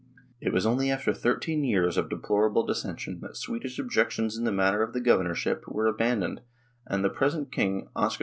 It was only after thirteen years of deplorable dis sension that Swedish objections in the matter of the governorship were abandoned and the present King Oscar II.